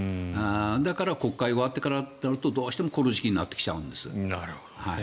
だから国会が終わってからとなるとどうしてもこの時期になってきちゃうんです。